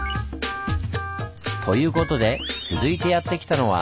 ということで続いてやって来たのは。